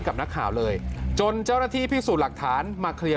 กับนักข่าวเลยจนเจ้าหน้าที่พิสูจน์หลักฐานมาเคลียร์